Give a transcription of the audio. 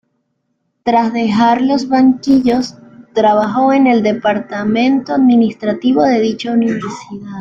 Tras dejar los banquillos, trabajó en el departamento administrativo de dicha universidad.